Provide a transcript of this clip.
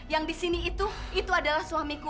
yang di sini itu itu adalah suamiku